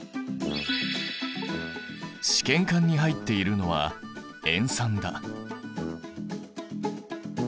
試験管に入っているのは塩酸だ。